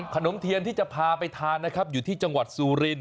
ขนมเทียนที่จะพาไปทานนะครับอยู่ที่จังหวัดสุริน